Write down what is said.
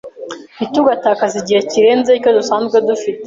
Ntitugatakaze igihe kirenze icyo dusanzwe dufite.